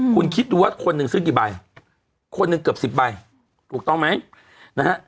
คุณคิดดูว่าคนหนึ่งซื้อกี่ใบคนหนึ่งเกือบสิบใบถูกต้องไหมนะฮะ